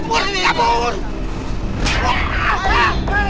bener bener kabur kabur